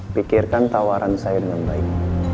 pikirkan tawaran saya dengan baik